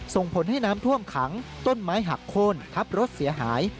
ส่งผลให้น้ำท่วมขังต้นไม้หักโค้นทับรถเสียหาย